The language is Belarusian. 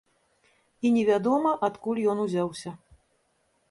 І невядома, адкуль ён узяўся.